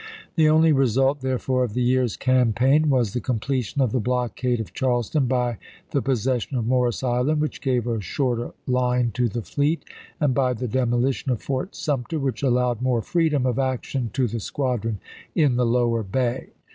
The only result, therefore, of the year's campaign was the completion of the blockade of Charleston by the possession of Morris Island, which gave a shorter line to the fleet, and by the demolition of Fort Sumter, which allowed more freedom of action to the squadron in the lower bay.